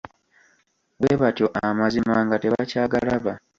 Bwe batyo amazima nga tebakyagalaba.